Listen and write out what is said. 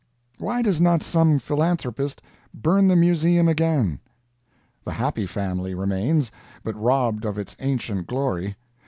Why does not some philanthropist burn the Museum again? The Happy Family remains, but robbed of its ancient glory.